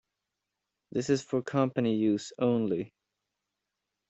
This is for company use only.